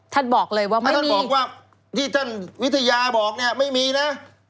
ท่านบอกเลยว่าถ้าท่านบอกว่าที่ท่านวิทยาบอกเนี่ยไม่มีนะ